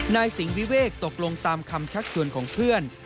นายสิงหวิเวกตกลงตามคำชักชวนของเพื่อน